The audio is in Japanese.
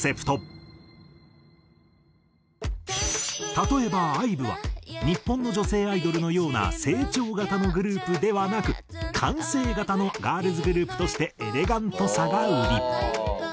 例えばＩＶＥは日本の女性アイドルのような成長型のグループではなく完成型のガールズグループとしてエレガントさが売り。